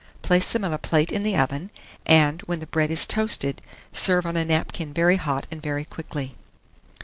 Place them on a plate in the oven, and, when the bread is toasted, serve on a napkin very hot and very quickly.